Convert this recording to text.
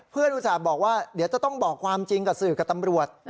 อุตส่าห์บอกว่าเดี๋ยวจะต้องบอกความจริงกับสื่อกับตำรวจ